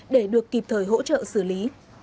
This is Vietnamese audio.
để được kịp thời hỗ trợ xử lý